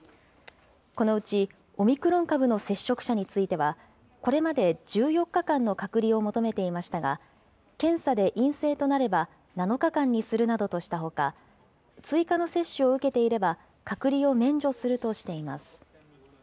このうちオミクロン株の接触者については、これまで１４日間の隔離を求めていましたが、検査で陰性となれば７日間にするなどとしたほか、追加の接種を受けていれば、隔離を免除するとしています。